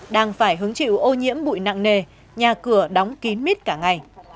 đang phải hứng chịu ô nhiễm bụi nặng nề nhà cửa đóng kín mít cả ngày